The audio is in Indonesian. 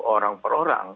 orang per orang